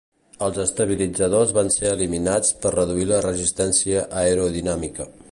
Els estabilitzadors van ser eliminats per reduir la resistència aerodinàmica.